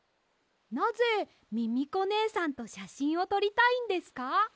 なぜミミコねえさんとしゃしんをとりたいんですか？